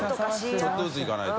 ちょっとずついかないと。